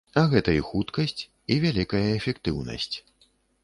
А гэта і хуткасць, і вялікая эфектыўнасць.